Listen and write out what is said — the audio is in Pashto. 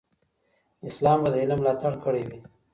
اسلام به د علم ملاتړ کړی وي.